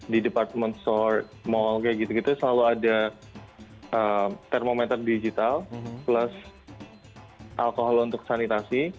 di department store mall kayak gitu gitu selalu ada termometer digital plus alkohol untuk sanitasi